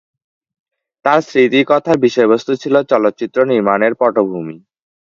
তাঁর স্মৃতিকথার বিষয়বস্তু ছিল চলচ্চিত্র নির্মাণের পটভূমি।